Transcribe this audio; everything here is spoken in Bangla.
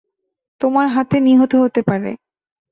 তোমার হাতে নিহত হতে পারে।